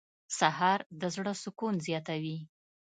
سهار د زړه سکون زیاتوي.